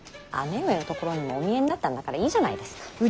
姉上のところにもお見えになったんだからいいじゃないですか。